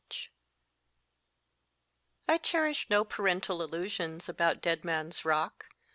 : I CHERISH no parental illusions about Dead Man s Rock.